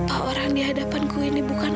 apa orang di hadapan ku ini bukan ayah